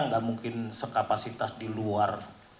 nggak mungkin sekapasitas di luar